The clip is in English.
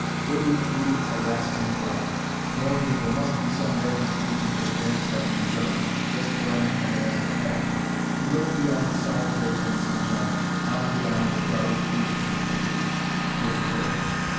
Kirby drew a rasping breath. Knowing that there must be some definite reason for the dance having begun just when and as it had, he looked beyond the solitary dancing giant, on beyond the crowded legions of the apes, toward the village.